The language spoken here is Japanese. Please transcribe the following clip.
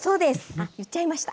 あ言っちゃいました。